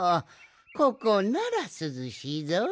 ここならすずしいぞい。